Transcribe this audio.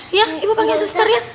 iya ibu pakai suster ya